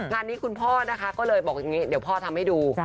งานนี้คุณพ่อนะคะก็เลยบอกอย่างนี้เดี๋ยวพ่อทำให้ดู